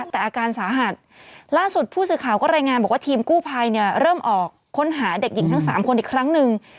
แต่อาการสาหัสล่าสุดผู้สื่อข่าวก็รายงานบอกว่าทีมกู้ภัยเนี่ยเริ่มออกค้นหาเด็กหญิงทั้ง๓คนอีกครั้งหนึ่ง